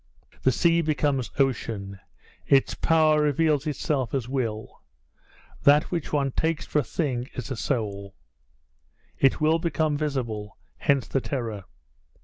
The sea becomes Ocean: its power reveals itself as Will: that which one takes for a thing is a soul. It will become visible; hence the terror.